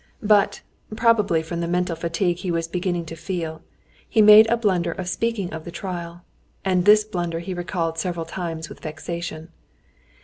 But, probably from the mental fatigue he was beginning to feel, he made a blunder in speaking of the trial, and this blunder he recalled several times with vexation.